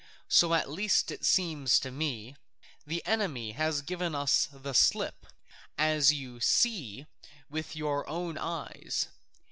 So at least it seems to me. The enemy have given us the slip, as you see with your own eyes.